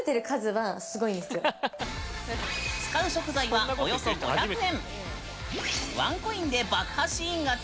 使う食材はおよそ５００円。